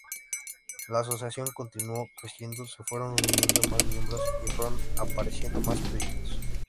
La asociación continuó creciendo, se fueron uniendo más miembros, y fueron apareciendo más proyectos.